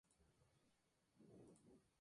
Es venerada por los cristianos.